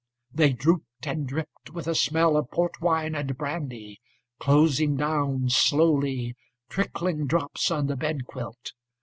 They drooped and drippedWith a smell of port wine and brandy, Closing down, slowly, Trickling drops on the bed quilt.